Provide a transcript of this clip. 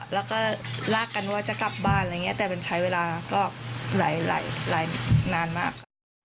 แล้วก็ลากกันว่าจะกลับบ้านอะไรอย่างนี้แต่มันใช้เวลาก็หลายนานมากค่ะ